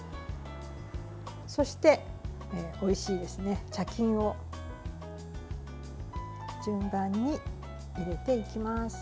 そして、おいしいですね茶巾を順番に入れていきます。